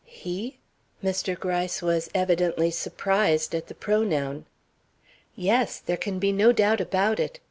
"He?" Mr. Gryce was evidently surprised at the pronoun. "Yes; there can be no doubt about it.